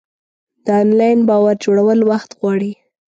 د انلاین باور جوړول وخت غواړي.